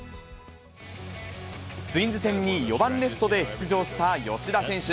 ツインズ戦に４番レフトで出場した吉田選手。